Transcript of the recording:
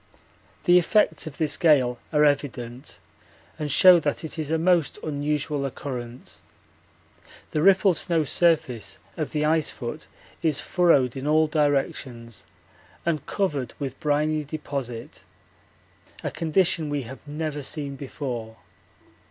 The effects of this gale are evident and show that it is a most unusual occurrence. The rippled snow surface of the ice foot is furrowed in all directions and covered with briny deposit a condition we have never seen before.